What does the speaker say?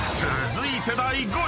［続いて］